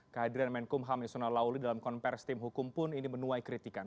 kehadiran menkumham yasona lauli dalam konversi tim hukum pun ini menuai kritikan